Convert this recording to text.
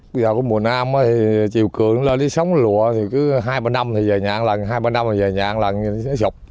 bây giờ có mùa nam thì chiều cường nó lên đi sống lụa thì cứ hai ba năm thì về nhà một lần hai ba năm thì về nhà một lần nó sụp